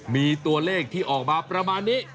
มีตัวเลขที่ออกมาประมาณนี้